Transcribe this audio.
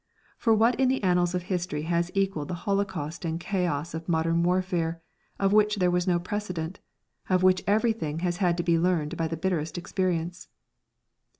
For what in the annals of History has equalled the holocaust and chaos of modern warfare, of which there was no precedent, of which everything has had to be learned by the bitterest experience?